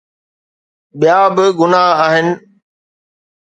ٻيا به گناهه آهن.